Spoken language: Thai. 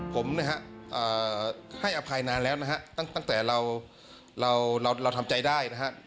ผมให้อภัยนานแล้วตั้งแต่เราทำใจได้